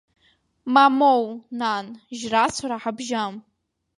Мамоу, нан, жьрацәара ҳабжьам.